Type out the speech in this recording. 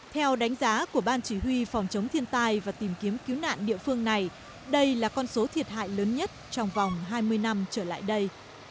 theo đánh giá của ban chỉ huy phòng chống thiên tai và tìm kiếm cứu nạn địa phương này đây là con số thiệt hại lớn nhất trong vòng hai mươi năm trở lại đây